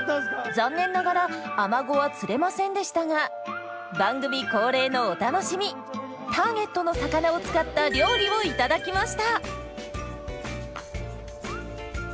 残念ながらアマゴは釣れませんでしたが番組恒例のお楽しみターゲットの魚を使った料理を頂きました。